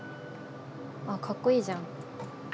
あっかっこいいじゃん。